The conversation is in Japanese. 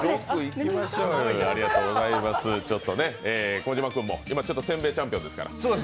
小島君も煎餅チャンピオンですから。